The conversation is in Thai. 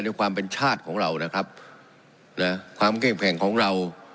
ในความเป็นชาติของเรานะครับนะความเข้มแข็งของเรา